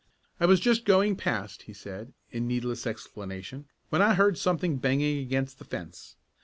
"I was just going past," he said, in needless explanation, "when I heard something banging against the fence.